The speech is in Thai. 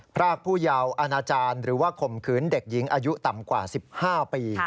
พรากผู้ยาวอาณาจารย์หรือว่าข่มขืนเด็กหญิงอายุต่ำกว่า๑๕ปี